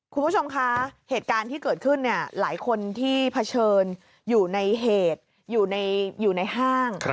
คุณผู้ชมคะเหตุการณ์ที่เกิดขึ้นเนี่ยหลายคนที่เผชิญอยู่ในเหตุอยู่ในห้าง